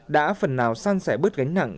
đã phần nào săn sẻ bớt gánh nặng